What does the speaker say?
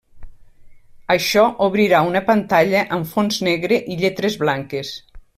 Això obrira una pantalla amb fons negre i lletres blanques.